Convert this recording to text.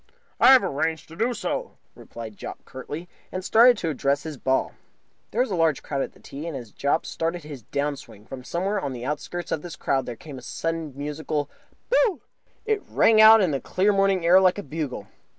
"I have arranged to do so," replied Jopp, curtly, and started to address his ball. There was a large crowd at the tee, and, as Jopp started his down swing, from somewhere on the outskirts of this crowd there came suddenly a musical "Boo!" It rang out in the clear morning air like a bugle.